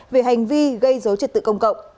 về hành vi gây dấu triệt tự công cộng